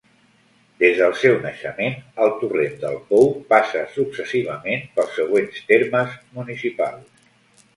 Des del seu naixement, el Torrent del Pou passa successivament pels següents termes municipals.